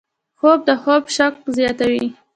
خوب د خوب شوق زیاتوي